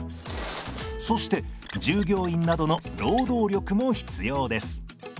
そして従業員などの労働力も必要です。